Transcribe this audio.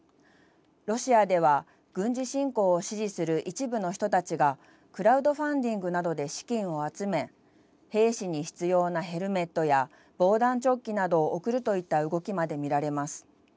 ロシアでは、軍事侵攻を支持する一部の人たちがクラウドファンディングなどで資金を集め兵士に必要なヘルメットや防弾チョッキなどを送るといった動きまで見られます。